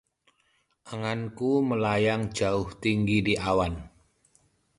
anganku melayang jauh tinggi di awan